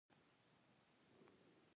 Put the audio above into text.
نورالامین صاحب د شمار او قطار لیکوال دی.